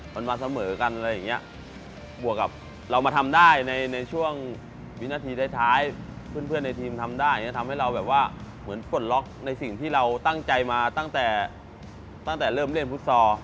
มันมาเสมอกันอะไรอย่างเงี้ยบวกกับเรามาทำได้ในช่วงวินาทีท้ายเพื่อนในทีมทำได้ทำให้เราแบบว่าเหมือนปลดล็อกในสิ่งที่เราตั้งใจมาตั้งแต่ตั้งแต่เริ่มเล่นฟุตซอล